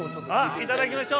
◆いただきましょう。